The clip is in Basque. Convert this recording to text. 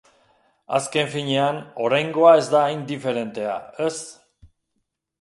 Azken finean, oraingoa ez da hain diferentea, ez?